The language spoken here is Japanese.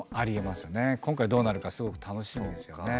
今回どうなるかすごく楽しみですよね。